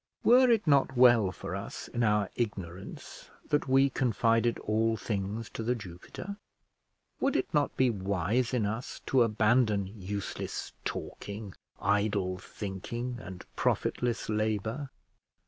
Were it not well for us in our ignorance that we confided all things to The Jupiter? Would it not be wise in us to abandon useless talking, idle thinking, and profitless labour?